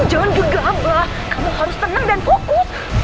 iyih jangan gegablah kamu harus tenang dan fokus